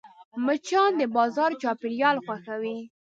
مچان د بازار چاپېریال خوښوي